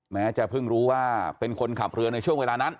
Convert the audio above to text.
แม้จะเพิ่งรู้ว่าเป็นคนขับเรือในช่วงเวลานั้น